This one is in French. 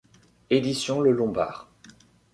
Édition Le Lombard.